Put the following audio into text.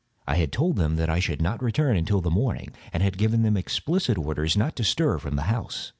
I had told them that I should not return until the morning, and had given them explicit orders not to stir from the house.